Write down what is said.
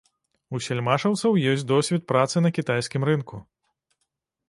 У сельмашаўцаў ёсць досвед працы на кітайскім рынку.